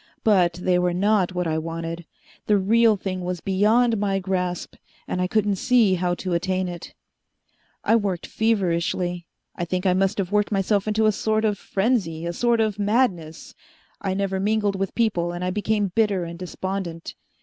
But they were not what I wanted. The real thing was beyond my grasp, and I couldn't see how to attain it. "I worked feverishly. I think I must have worked myself into a sort of frenzy, a sort of madness. I never mingled with people, and I became bitter and despondent.